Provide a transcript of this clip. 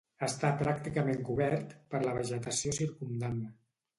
Està pràcticament cobert per la vegetació circumdant.